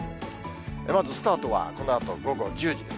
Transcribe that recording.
まずスタートはこのあと午後１０時です。